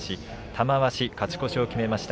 玉鷲、勝ち越しを決めました。